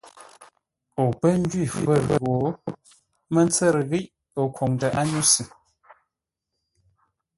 O pə̌ njwí fə̂r gho mə́ tsə́rə́ ghiʼ o khwoŋtə ányúsʉ.